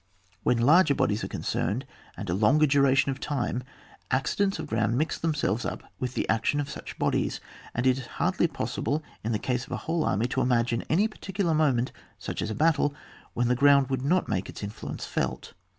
When larger bodies are concerned, and a longer duration of time, accidents of ground mix themselves up with the acUon of such bodies, and it is hardly possible in the case of a whole army to imagine any particular moment, such as a battle, when the ground would not make its influence felt.